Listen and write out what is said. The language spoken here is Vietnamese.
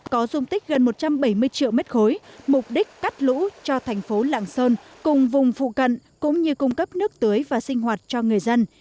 có dung tích gần một trăm bảy mươi triệu m ba mục đích cắt lũ cho thành phố lạng sơn cùng vùng phụ cận cũng như cung cấp nước tưới và sinh hoạt cho người dân